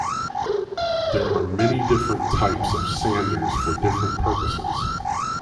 There are many different types of sanders for different purposes.